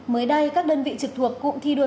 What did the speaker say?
mới đây các đơn vị trực thuộc cụm thi đua